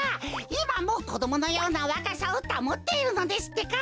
いまもこどものようなわかさをたもっているのですってか。